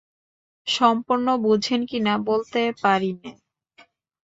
সম্পূর্ণ বোঝেন কি না বলতে পারি নে।